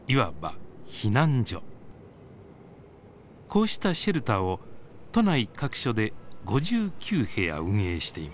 こうしたシェルターを都内各所で５９部屋運営しています。